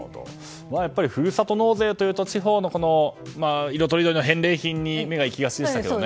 ふるさと納税というと地方の色とりどりの返礼品に目が行きがちでしたけどね。